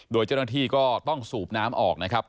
โดยเจ้าหน้าที่ก็ต้องสูบน้ำออกนะครับ